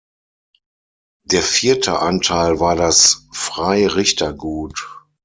Der vierte Anteil war das Freirichtergut.